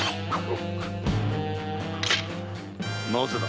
なぜだ？